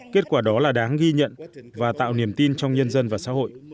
kết quả đó là đáng ghi nhận và tạo niềm tin trong nhân dân và xã hội